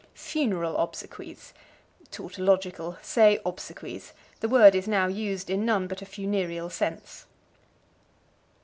Funeral Obsequies. Tautological. Say, obsequies; the word is now used in none but a funereal sense.